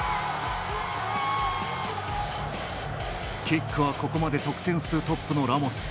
キックはここまで得点数トップのラモス。